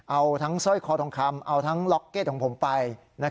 เอาทั้งสร้อยคอทองคำเอาทั้งล็อกเก็ตของผมไป